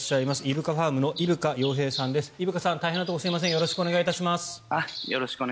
よろしくお願いします。